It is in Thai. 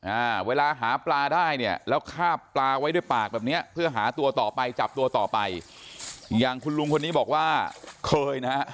อ่าเวลาหาปลาได้เนี่ยแล้วคาบปลาไว้ด้วยปากแบบเนี้ยเพื่อหาตัวต่อไปจับตัวต่อไปอย่างคุณลุงคนนี้บอกว่าเคยนะฮะ